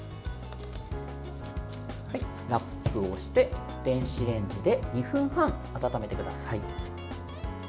ラップをして電子レンジで２分半温めてください。